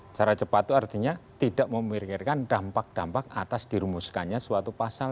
secara cepat itu artinya tidak memikirkan dampak dampak atas dirumuskannya suatu pasal